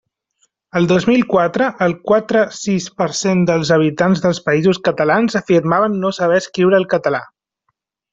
El dos mil quatre el quatre-sis per cent dels habitants dels Països Catalans afirmaven no saber escriure el català.